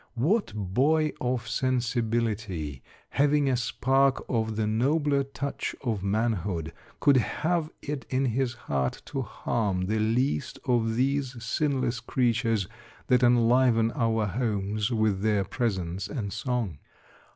What boy of sensibility, having a spark of the nobler touch of manhood, could have it in his heart to harm the least of these sinless creatures that enliven our homes with their presence and song?